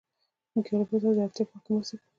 موږ يو له بل سره د اړتیا په وخت کې مرسته کوو.